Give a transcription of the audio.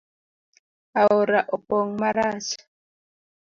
Aora opong marach